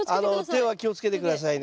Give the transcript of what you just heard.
手は気をつけて下さいね。